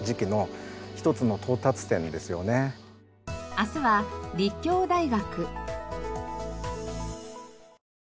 明日は立教大学。